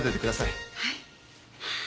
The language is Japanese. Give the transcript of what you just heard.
はい。